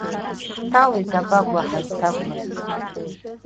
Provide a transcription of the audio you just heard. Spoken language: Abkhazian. Ҳҭалеит абагәа ҳазҭаблыз.